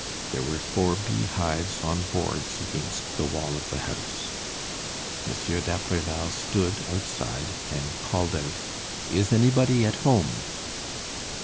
There were four bee hives on boards against the wall of the house. Monsieur d'Apreval stood outside and called out: "Is anybody at home?"